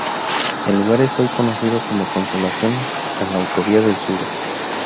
El lugar es hoy conocido como Consolación en la Autovía del Sur.